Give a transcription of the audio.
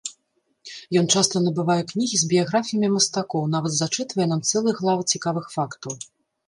Ён часта набывае кнігі з біяграфіямі мастакоў, нават зачытвае нам цэлыя главы цікавых фактаў.